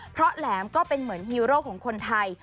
เพราะแหลมก็เป็นเหมือนฮีโร่ของคนไทย